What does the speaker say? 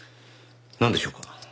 なんでしょうか？